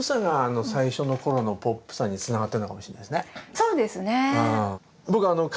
そうですね。